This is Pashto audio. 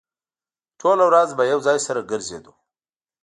ټوله ورځ به يو ځای سره ګرځېدو.